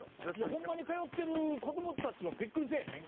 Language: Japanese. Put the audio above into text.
ホンマに通ってる子どもたちはビックリせえへん？